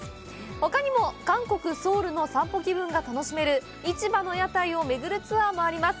ほかにも韓国・ソウルの散歩気分が楽しめる市場の屋台を巡るツアーもあります